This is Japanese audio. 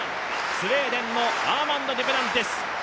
スウェーデンのアーマンド・デュプランティス。